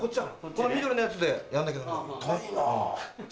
この緑のやつでやんなきゃダメだよ。